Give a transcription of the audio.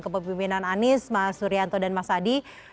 kepemimpinan anies mas suryanto dan mas adi